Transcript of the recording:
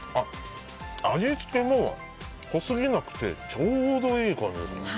味付けも、濃すぎなくてちょうどいい感じ。